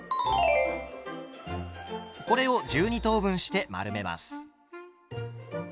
これを１２等分して丸めます。